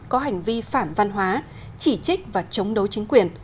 có hành vi phản văn hóa chỉ trích và chống đấu chính quyền